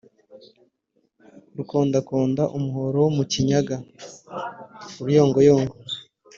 Rukondakonda umuhoro wo mu Kinyaga-Uruyongoyongo.